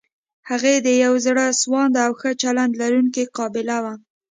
هغې د يوې زړه سواندې او ښه چلند لرونکې قابله وه.